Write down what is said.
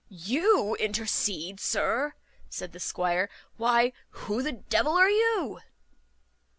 "You intercede, sir!" said the squire; "why, who the devil are you?"